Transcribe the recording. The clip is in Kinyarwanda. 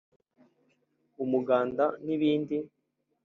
umuganda n’ibindi